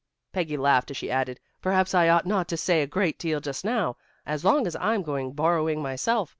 Peggy laughed as she added, "Perhaps I ought not to say a great deal just now, as long as I'm going borrowing myself.